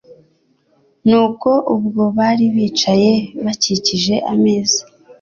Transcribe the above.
Nuko ubwo bari bicaye bakikije ameza,